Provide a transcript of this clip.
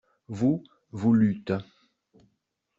Vous, vous lûtes.